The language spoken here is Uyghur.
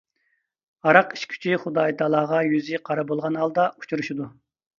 ھاراق ئىچكۈچى خۇدايىتائالاغا يۈزى قارا بولغان ھالدا ئۇچرىشىدۇ.